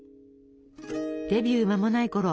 デビュー間もないころ